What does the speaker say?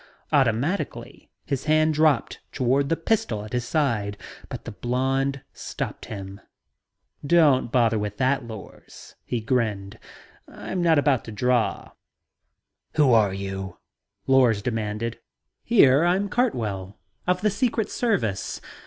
Automatically, his hand dropped toward the pistol at his side, but the blond stopped him. "Don't bother with that, Lors," he grinned. "I'm not about to draw." "Who are you," Lors demanded. "Here, I'm Cartwell, of the Secret Service.